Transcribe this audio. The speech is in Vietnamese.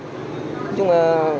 nói chung là